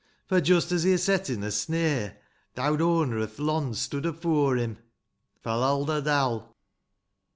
For, just as he're settin' a snare, Th' owd owner o'th lond stoode afore him. Fal lal der dal.